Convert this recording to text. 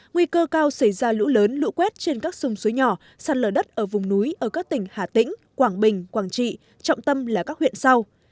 nguy cơ cao xảy ra lũ lớn lũ quét trên các sông suối nhỏ sạt lở đất ở vùng núi ở các tỉnh hà tĩnh quảng bình quảng trị trọng tâm là các huyện sau